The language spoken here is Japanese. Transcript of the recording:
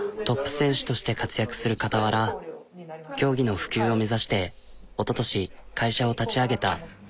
トップ選手として活躍するかたわら競技の普及を目指しておととし会社を立ち上げた。